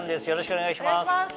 お願いします。